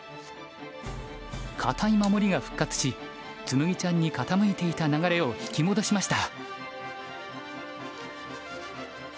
堅い守りが復活し紬ちゃんに傾いていた流れを引き戻しました。